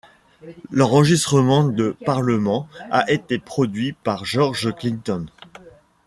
L'enregistrement de Parlament a été produit par George Clinton.